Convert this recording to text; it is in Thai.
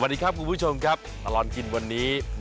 เอาล่ะเดินทางมาถึงในช่วงไฮไลท์ของตลอดกินในวันนี้แล้วนะครับ